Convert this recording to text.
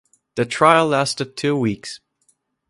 The trial lasted two weeks.